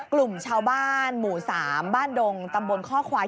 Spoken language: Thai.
กลุ่มชาวบ้านหมู่๓บ้านดงตำบลข้อควาย